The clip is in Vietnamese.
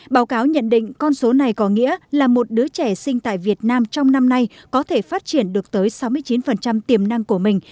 báo cáo nhận định con số này có nghĩa là một đứa trẻ sinh tại việt nam trong năm nay có thể phát triển được tới sáu mươi chín tiềm năng của mình